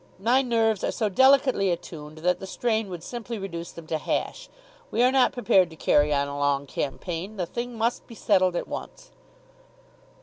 My nerves are so delicately attuned that the strain would simply reduce them to hash. We are not prepared to carry on a long campaign the thing must be settled at once."